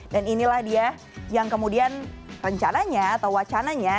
dan inilah dia yang kemudian rencananya atau wacananya